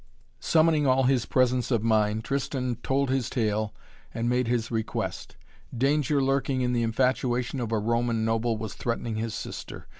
Summoning all his presence of mind, Tristan told his tale and made his request. Danger lurking in the infatuation of a Roman noble was threatening his sister.